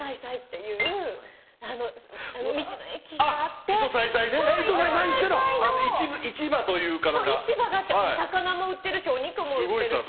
そう市場があってお魚も売ってるしお肉も売ってるし。